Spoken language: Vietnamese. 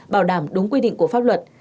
bảo đảm đúng quy định của pháp luật